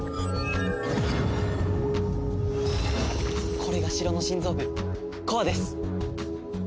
これが城の心臓部コアです。